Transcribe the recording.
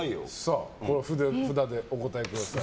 札でお答えください。